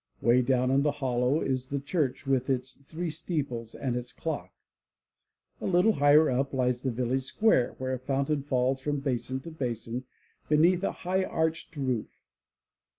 Way down in the hollow is the church with its three steeples and its clock. A little higher up lies the village square where a fountain falls from basin to basin beneath a high arched roof.